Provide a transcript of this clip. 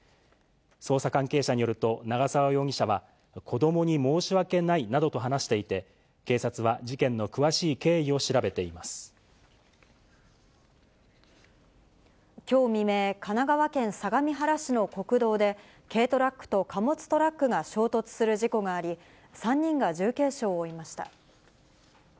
捜査関係者によると、長沢容疑者は、子どもに申し訳ないなどと話していて、警察は事件の詳しい経きょう未明、神奈川県相模原市の国道で、軽トラックと貨物トラックが衝突する事故があり、３人が重軽傷を負いました。